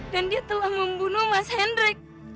dan dia telah membunuh mas hendrik